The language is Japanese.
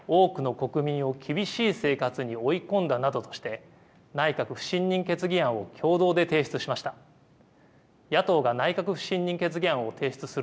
国民を厳しい生活に追い込んだなどとして内閣不信任決議案を共同で提出しました。